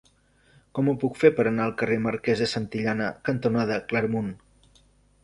Com ho puc fer per anar al carrer Marquès de Santillana cantonada Claramunt?